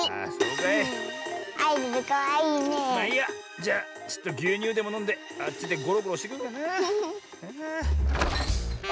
じゃちょっとぎゅうにゅうでものんであっちでごろごろしてくるかなあ。